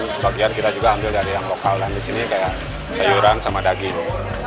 sebagian kita juga ambil dari yang lokal dan di sini kayak sayuran sama daging